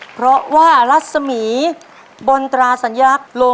ปลูก